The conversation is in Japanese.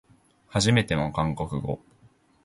はじめての韓国語